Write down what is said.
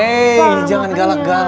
eh jangan galak galak